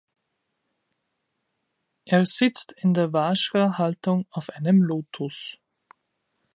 Er sitzt in der Vajra-Haltung auf einem Lotos.